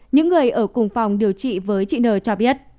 những người ở cùng phòng điều trị với chị nờ cho biết